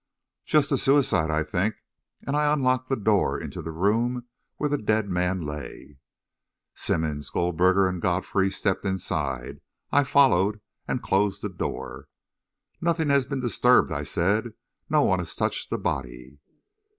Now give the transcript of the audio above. "Just a suicide, I think," and I unlocked the door into the room where the dead man lay. Simmonds, Goldberger and Godfrey stepped inside. I followed and closed the door. "Nothing has been disturbed," I said. "No one has touched the body."